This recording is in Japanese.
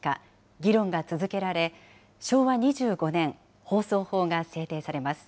議論が続けられ、昭和２５年、放送法が制定されます。